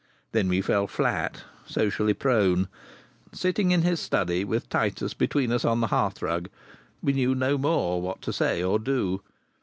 Then we fell flat, socially prone. Sitting in his study, with Titus between us on the hearthrug, we knew no more what to say or do.